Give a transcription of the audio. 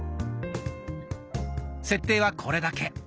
設定はこれだけ。